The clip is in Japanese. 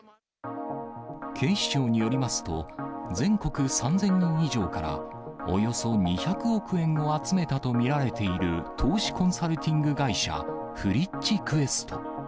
警視庁によりますと、全国３０００人以上から、およそ２００億円を集めたと見られている投資コンサルティング会社、フリッチ・クエスト。